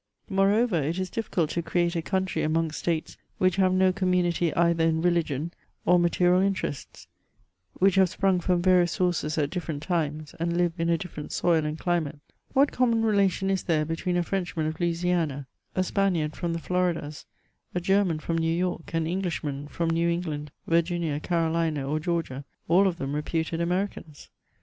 Moreover, it is difficult to create a country amongst States which have no community either in religion or material interests, which have sprung from various sources at diffident times, and live in a different soil and climate. What common relation is there between a Frenchman of Louisiana, a Spaniard from the CHATEAUBRIAND. 303 Floridas, a German £rom New York, an Englishman from New England, Virginia, Carolina, or Georgia, lul of them reputed Amerioans